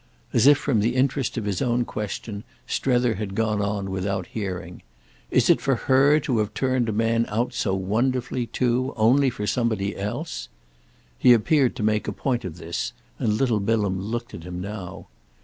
As if from the interest of his own question Strether had gone on without hearing. "Is it for her to have turned a man out so wonderfully, too, only for somebody else?" He appeared to make a point of this, and little Bilham looked at him now.